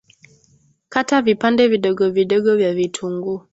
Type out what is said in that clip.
Kata vipande vidogo vidogo vya vitunguu